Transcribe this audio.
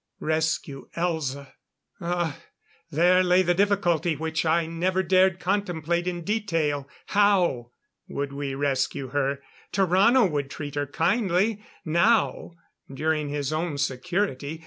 Rescue Elza! Ah, there lay the difficulty which I never dared contemplate in detail. How would we rescue her? Tarrano would treat her kindly, now during his own security.